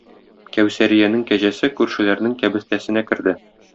Кәүсәриянең кәҗәсе күршеләрнең кәбестәсенә керде.